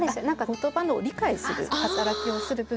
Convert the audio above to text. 言葉の理解する働きをする部分。